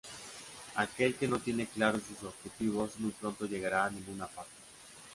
Aquel que no tiene claros sus objetivos muy pronto llegará a ninguna parte.